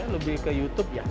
lebih ke youtube ya